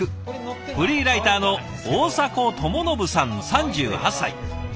フリーライターの大迫知信さん３８歳。